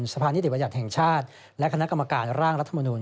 สภานิติบัญญัติแห่งชาติและคณะกรรมการร่างรัฐมนุน